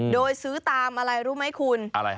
โดยซื้อตามอะไรรู้ไหมคุณ